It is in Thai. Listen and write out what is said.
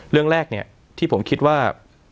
เรื่องแรกที่ผมคิดว่า